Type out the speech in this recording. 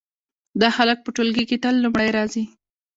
دا هلک په ټولګي کې تل لومړی راځي